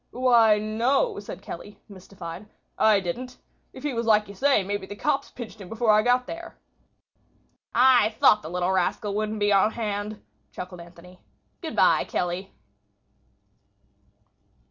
"Why, no," said Kelly, mystified. "I didn't. If he was like you say, maybe the cops pinched him before I got there." "I thought the little rascal wouldn't be on hand," chuckled Anthony. "Good by, Kelly."